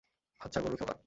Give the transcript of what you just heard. আচ্ছা, গরুর খাবার?